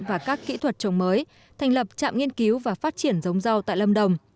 và các kỹ thuật trồng mới thành lập trạm nghiên cứu và phát triển giống rau tại lâm đồng